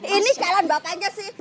ini jalan bakannya sih